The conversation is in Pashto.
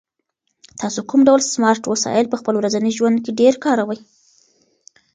تاسو کوم ډول سمارټ وسایل په خپل ورځني ژوند کې ډېر کاروئ؟